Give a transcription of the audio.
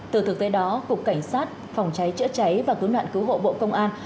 từ thực tế đó cục cảnh sát phòng cháy chữa cháy và cứu nạn cứu hộ bộ công an